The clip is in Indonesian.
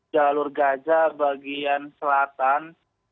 jalur gaza bagian selatan